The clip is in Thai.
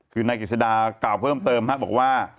คือนายกิจสดากล่าวเพิ่มเติมบอกว่า